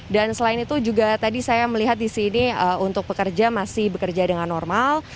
dan selain itu juga tadi saya melihat di sini untuk pekerja masih bekerja dengan normal